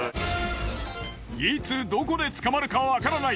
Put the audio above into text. いつどこで捕まるかわからない。